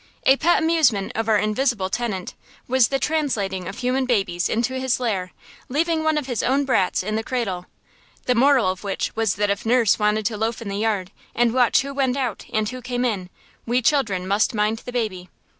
A pet amusement of our invisible tenant was the translating of human babies into his lair, leaving one of his own brats in the cradle; the moral of which was that if nurse wanted to loaf in the yard and watch who went out and who came in, we children must mind the baby.